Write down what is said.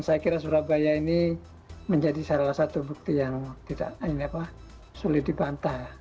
saya kira surabaya ini menjadi salah satu bukti yang tidak sulit dibantah